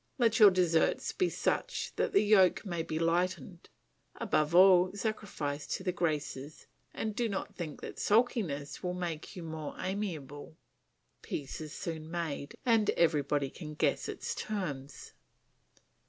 Let your deserts be such that the yoke may be lightened. Above all, sacrifice to the graces, and do not think that sulkiness will make you more amiable." Peace is soon made, and everybody can guess its terms.